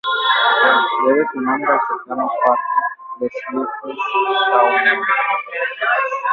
Debe su nombre al cercano parque des Buttes-Chaumont.